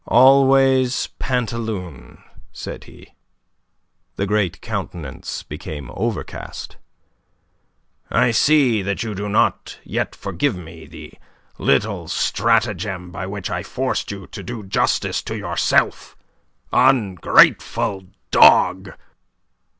"Always Pantaloon!" said he. The great countenance became overcast. "I see that you do not yet forgive me the little stratagem by which I forced you to do justice to yourself. Ungrateful dog!